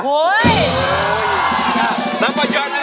โอ้โฮ